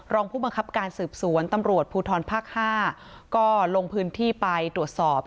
รองผู้บังคับการสืบสวนตำรวจภูทรภาค๕ก็ลงพื้นที่ไปตรวจสอบ